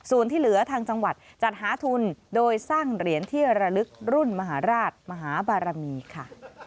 ส่วนที่เหลือทางจังหวัดจัดหาทุนโดยสร้างเหรียญที่ระลึกรุ่นมหาราชมหาบารมีค่ะ